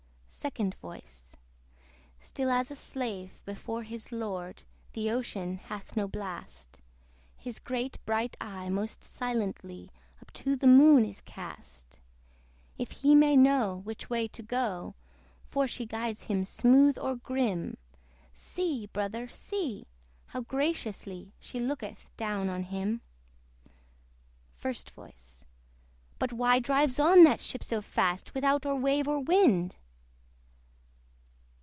SECOND VOICE. Still as a slave before his lord, The OCEAN hath no blast; His great bright eye most silently Up to the Moon is cast If he may know which way to go; For she guides him smooth or grim See, brother, see! how graciously She looketh down on him. FIRST VOICE. But why drives on that ship so fast, Without or wave or wind?